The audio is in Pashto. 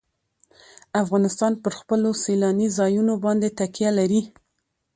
افغانستان په خپلو سیلاني ځایونو باندې تکیه لري.